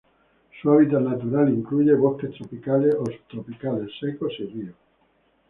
Su hábitat natural incluye bosques tropicales o subtropicales secos y ríos.